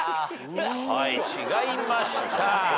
はい違いました。